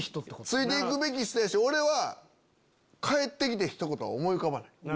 ついて行くべき人やし俺は帰って来てひと言は思い浮かばない。